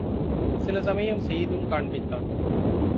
சில சமயம் செய்தும் காண்பித்தான்.